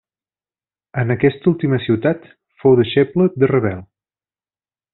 En aquesta última ciutat fou deixeble de Ravel.